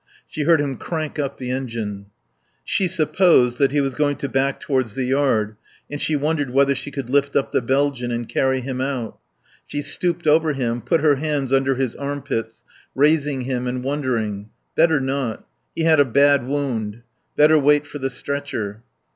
She heard him crank up the engine. She supposed that he was going to back towards the yard, and she wondered whether she could lift up the Belgian and carry him out. She stooped over him, put her hands under his armpits, raising him and wondering. Better not. He had a bad wound. Better wait for the stretcher.